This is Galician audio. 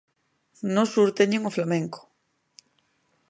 No sur teñen o flamenco.